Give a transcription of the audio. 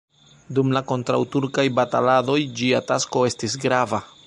Dum la kontraŭturkaj bataladoj ĝia tasko estis grava.